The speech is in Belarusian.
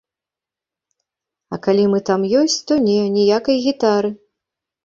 А калі мы там ёсць, то не, ніякай гітары!